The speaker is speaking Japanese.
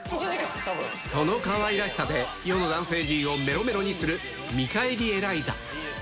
このかわいらしさで、世の男性陣をめろめろにする、見返りエライザ。